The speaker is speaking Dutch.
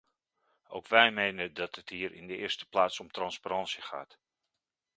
Ook wij menen dat het hier in de eerste plaats om transparantie gaat.